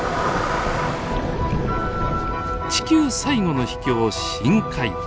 地球最後の秘境深海。